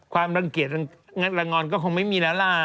ความรังเกียจก็คงไม่มีแล้วล่ะ